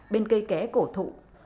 bên cây kẻ cổ thụ